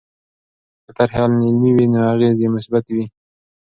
که طرحې علمي وي نو اغېزې یې مثبتې وي.